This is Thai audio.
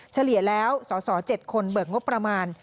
เฉลี่ยแล้วสส๗คนเบิกงบประมาณ